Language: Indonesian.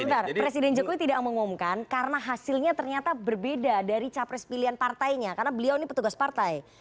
sebentar presiden jokowi tidak mengumumkan karena hasilnya ternyata berbeda dari capres pilihan partainya karena beliau ini petugas partai